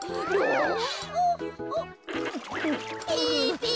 ピピ！